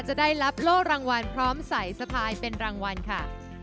จะได้รับโล่รางวัลพร้อมใส่สะพายเป็นรางวัลค่ะ